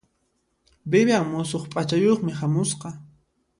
Vivian musuq p'achayuqmi hamusqa.